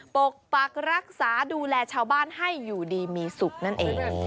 ปกปักรักษาดูแลชาวบ้านให้อยู่ดีมีสุขนั่นเอง